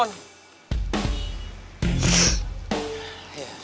dan lo udah kepancing mon